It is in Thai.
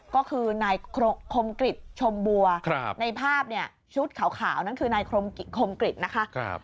ก็คือนายคมกริจชมบัวในภาพเนี่ยชุดขาวนั่นคือนายคมกริจนะคะ